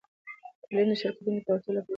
تعلیم د شراکتونو د پیاوړتیا لپاره ضروری دی.